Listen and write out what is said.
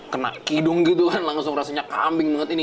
kena kidung gitu kan langsung rasanya kambing banget ini